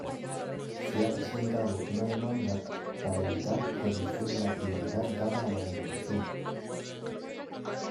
Se ha presentado una demanda para evitar reducir la prioridad dada a la navegación.